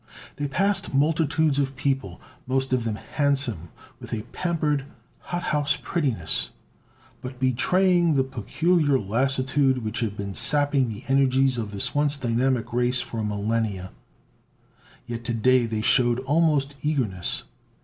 They passed multitudes of people, most of them handsome with a pampered, hot house prettiness, but betraying the peculiar lassitude which had been sapping the energies of this once dynamic race for millennia. Yet to day they showed almost eagerness.